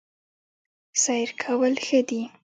سیر کول ښه دي